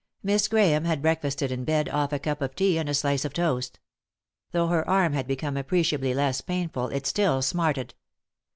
Miss Grahame bad breakfasted in bed off a cup of tea and a slice of toast. Though her arm had become appreciably less painful it still smarted.